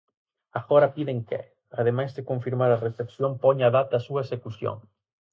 Agora piden que, ademais de confirmar a recepción poña data a súa execución.